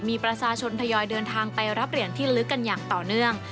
มีประชาชนทยอยเดินทางไปรับเหรียญที่ลึกกันอย่างต่อเนื่อง